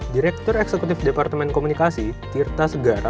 direktur eksekutif departemen komunikasi tirta segara